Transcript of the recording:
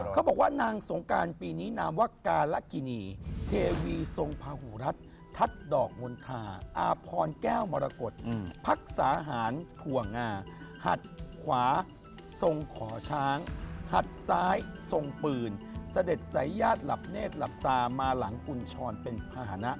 เขาบอกว่านางสงการปีนี้นามว่าการกินีเทวีทรงพาหูรัฐทัศน์ดอกมณฑาอาพรแก้วมรกฏพักสาหารถั่วงาหัดขวาทรงขอช้างหัดซ้ายทรงปืนเสด็จสายญาติหลับเนธหลับตามาหลังกุญชรเป็นภาษณะ